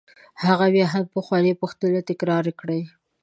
هغه بیا هم پخوانۍ پوښتنې تکرار کړې.